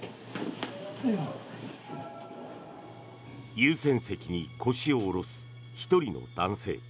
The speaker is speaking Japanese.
優先席に腰を下ろす１人の男性。